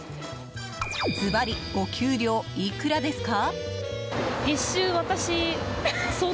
ずばり、お給料いくらですか？